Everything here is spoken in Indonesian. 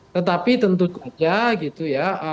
tetapi tentu saja gitu ya